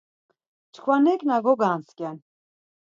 Çkva neǩna gogantzǩen.